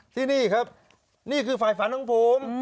ที่นี่ครับนี่คือฝ่ายฝันของผม